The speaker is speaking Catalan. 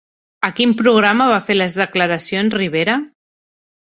A quin programa va fer les declaracions Rivera?